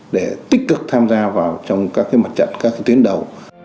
để tích cực tham gia vào trong các cái mặt trận các cái tuyến đầu